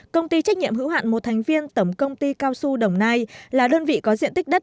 công ty trách nhiệm hữu hạn một thành viên tổng công ty cao su đồng nai là đơn vị có diện tích đất